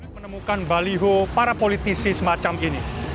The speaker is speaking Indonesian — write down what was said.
menemukan baliho para politisi semacam ini